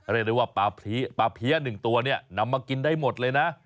เรียกได้ว่าปลาเพี้ย๑ตัวเนี่ยนำมากินได้หมดเลยนะ